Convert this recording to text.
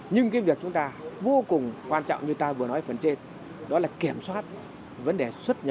nhưng cái việc chúng ta vô cùng quan trọng như ta vừa nói phần trên đó là kiểm soát vấn đề xuất nhập